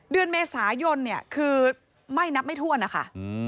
เดือนเมษายนคือไหม้นับไม่ทั่วนะคะ